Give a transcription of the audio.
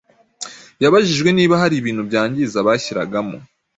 yabajijwe niba hari ibintu byangiza bashyiragamo